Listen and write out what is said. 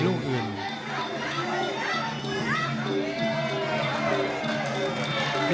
โหโหโห